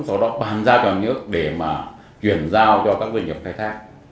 sau đó bàn giao cho nước để mà chuyển giao cho các doanh nghiệp khai thác